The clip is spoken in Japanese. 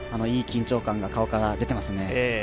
いい緊張感が顔から出てますね。